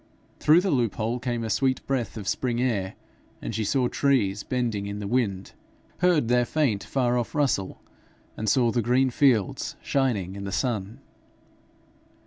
Through the loophole came a sweet breath of spring air, and she saw trees bending in the wind, heard their faint far off rustle, and saw the green fields shining in the sun.